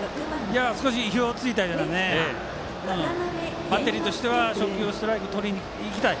意表をついたようなバッテリーとしては初球、ストライクをとりにいきたい